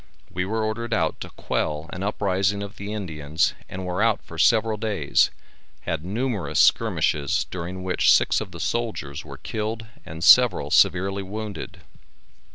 We were ordered out to quell an uprising of the Indians, and were out for several days, had numerous skirmishes during which six of the soldiers were killed and several severely wounded.